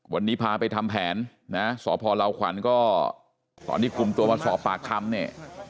วันนี้พาไปทำแผนนะสพลาวขวัญก็ตอนที่คุมตัวมาสอบปากคำเนี่ย